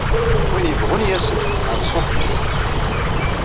Win yebƔun yas-d, anṣuf yes.